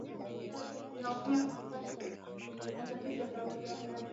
maeneo ya hifadhi za wanyama kasha kuharibu mazingira au kuongezeka kwa tatizo la ujangili